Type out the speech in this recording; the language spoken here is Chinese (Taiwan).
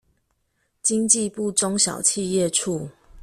經濟部中小企業處